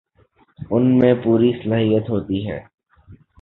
ان میں پوری صلاحیت ہوتی ہے